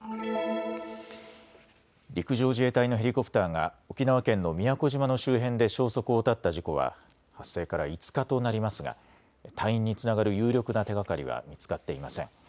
陸上自衛隊のヘリコプターが沖縄県の宮古島の周辺で消息を絶った事故は発生から５日となりますが隊員につながる有力な手がかりは見つかっていません。